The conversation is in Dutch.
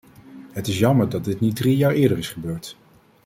Het is jammer dat dit niet drie jaar eerder is gebeurd.